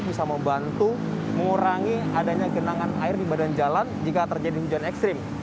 bisa membantu mengurangi adanya genangan air di badan jalan jika terjadi hujan ekstrim